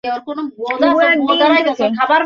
কিন্তু ব্যাট হাতে তেমন সুবিধা করতে পারেননি তিনি।